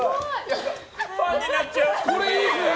ファンになっちゃう！